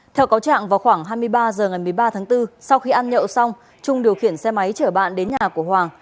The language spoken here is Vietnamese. theo cáo trạng vào khoảng hai mươi ba h ngày một mươi ba tháng bốn sau khi ăn nhậu xong trung điều khiển xe máy chở bạn đến nhà của hoàng